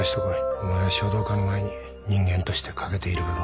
お前は書道家の前に人間として欠けている部分がある。